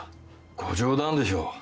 ご冗談でしょう。